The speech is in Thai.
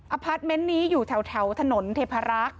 อัพพาร์ตเมนต์นี้อยู่แถวถนนเทพรัก